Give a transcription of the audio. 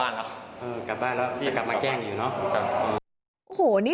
นี่คือ